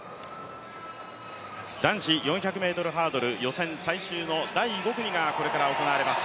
男子４００ｍハードル予選最終の第５組がこれから行われます。